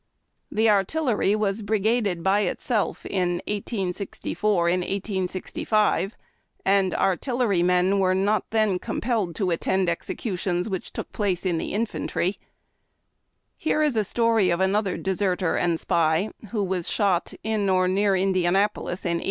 The artillery was Ijrigaded by itself in 1864 and 1865, and artil 160 HARD TACK AND COFFEE. leiyinen were not then compelled to attend executions which took place in the infantry. Here is a story of another deserter and spy, who was shot in or near Indianapolis in 1863.